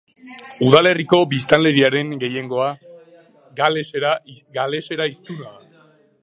Udalerriko biztanleriaren gehiengoa galesera hiztuna da.